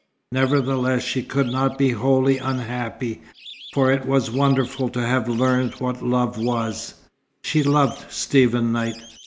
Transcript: Nevertheless she could not be wholly unhappy, for it was wonderful to have learned what love was. She loved Stephen Knight.